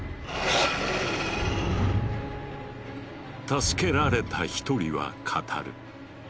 助けられた１人は語る。